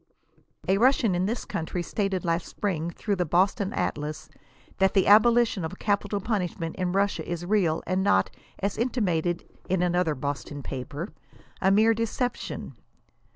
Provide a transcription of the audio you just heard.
A Russian in this country stated last spring, through the Boston A.tlas, that <* the abolition of capital pun ishment in Russia is real, and not, as intimated [in another Boston paper] a mere deception."